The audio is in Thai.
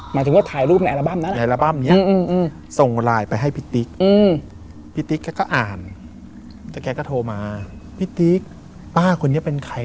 หมายถึงว่าถ่ายรูปในแอลบั้มนั้นนะนะ